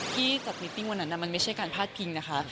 ที่จากมิตติ้งวันนั้นมันไม่ใช่การพาดพิงนะคะ